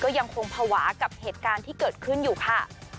ยังคงภาวะกับเหตุการณ์ที่เกิดขึ้นอยู่ค่ะ